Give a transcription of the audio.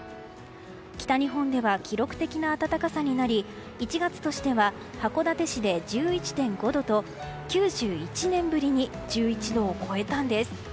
北日本では記録的な暖かさになり１月としては函館市で１１．５度と９１年ぶりに１１度を超えたんです。